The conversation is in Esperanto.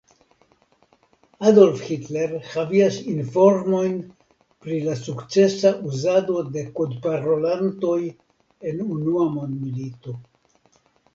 Adolf Hitler havis informojn pri la sukcesa uzado de kodparolantoj en Unua Mondmilito.